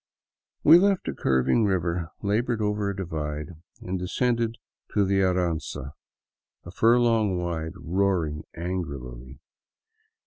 We left a curving river, labored over a divide, and descended to the Aranza, a furlong wide, roaring angrily.